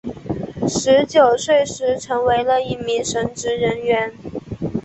十九岁时成为了一名神职人员。